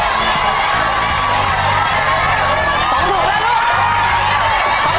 ถุงที่๓มันจะได้ยัง